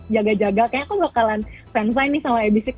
jaga jaga kayaknya aku bakalan fansign nih sama ab enam ix